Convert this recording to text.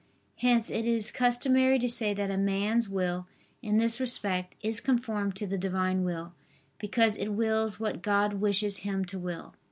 Hence it is customary to say that a man's will, in this respect, is conformed to the Divine will, because it wills what God wishes him to will.